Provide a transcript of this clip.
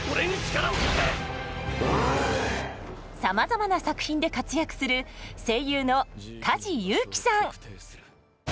さまざまな作品で活躍する声優の梶裕貴さん。